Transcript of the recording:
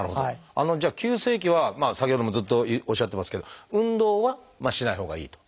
じゃあ急性期は先ほどもずっとおっしゃってますけど運動はしないほうがいいと。